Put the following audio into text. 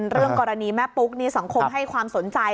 เรื่องกรณีแม่ปุ๊กนี่สังคมให้ความสนใจ